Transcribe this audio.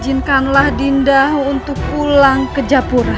izinkanlah dinda untuk pulang ke japura